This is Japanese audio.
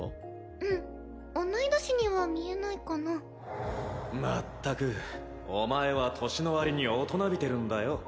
うん同い年には見えないかなまったくお前は年のわりに大人びてるんだよ